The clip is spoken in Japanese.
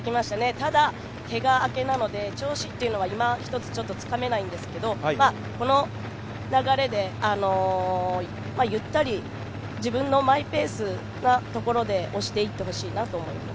ただ、けが明けなので調子はいまひとつつかめないんですけど、この流れでゆったり自分のマイペースなところで押していってほしいなと思います。